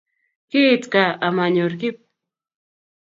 Kiit ga amanyoor Kip